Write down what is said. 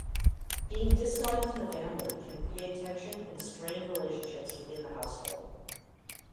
Being disliked in the family can create tension and strained relationships within the household.